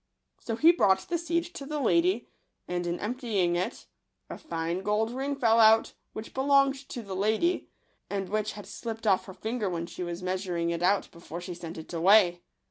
So he brought the seed to the lady ; and in emptying it, a fine gold ring fell out, which belonged to the lady, and which had slipped off her finger when she was mea suring it out before she sent it away.